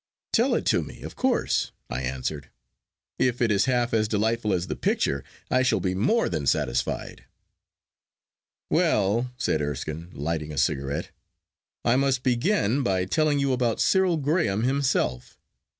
'Tell it to me, of course,' I answered. 'If it is half as delightful as the picture, I shall be more than satisfied.' 'Well,' said Erskine, lighting a cigarette, 'I must begin by telling you about Cyril Graham himself.